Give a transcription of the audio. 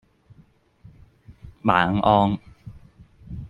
晚安